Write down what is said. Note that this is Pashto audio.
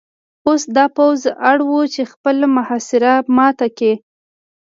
اوس دا پوځ اړ و چې خپله محاصره ماته کړي